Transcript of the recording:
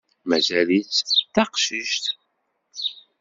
Mazal-itt d taqcict.